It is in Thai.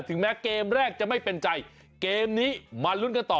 แม้เกมแรกจะไม่เป็นใจเกมนี้มาลุ้นกันต่อ